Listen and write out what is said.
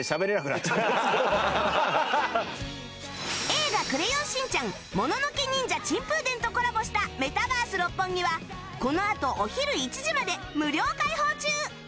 『映画クレヨンしんちゃんもののけニンジャ珍風伝』とコラボしたメタバース六本木はこのあとお昼１時まで無料開放中！